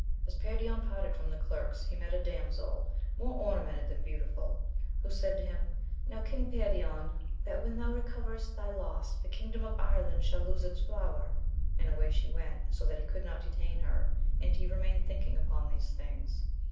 As Perion parted from the clerks, he met a damsel * more ornamented than beautiful, who said to him, know King Perion, that when thou recoverest thy loss, the kingdom of Ireland shall lose its flower 1 and away she went, so that he could not detain her, and he remained thinking upon these things.